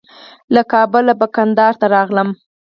له کابله به کندهار ته راغلم.